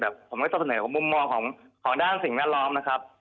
ผมก็สับเสนอว่ามุมมองของด้านสิ่งแนวร้อมนะครับ